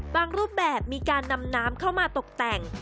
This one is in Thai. รูปแบบมีการนำน้ำเข้ามาตกแต่ง